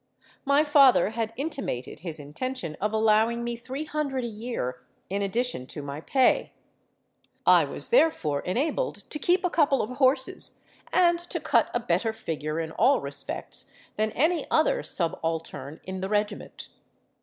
My father had intimated his intention of allowing me three hundred a year in addition to my pay: I was therefore enabled to keep a couple of horses, and to cut a better figure in all respects than any other subaltern in the regiment.